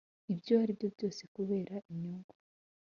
Ibyo aribyo byose kubera inyungu